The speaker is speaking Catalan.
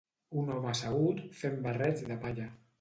Un home assegut fen barrets de palla.